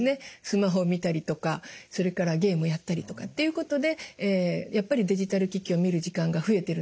スマホを見たりとかそれからゲームをやったりとかっていうことでやっぱりデジタル機器を見る時間が増えてるんだと思います。